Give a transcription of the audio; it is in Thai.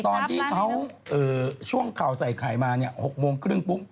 ตอนที่เขาช่วงข่าวใส่ไข่มาเนี่ย๖โมงครึ่งปุ๊บ